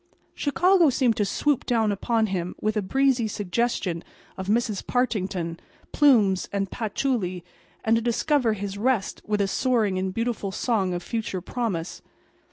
Chicago seemed to swoop down upon him with a breezy suggestion of Mrs. Partington, plumes and patchouli, and to disturb his rest with a soaring and beautiful song of future promise.